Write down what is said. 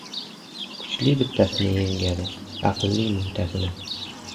• Kuchli bittasini yengadi, aqlli ― mingtasini.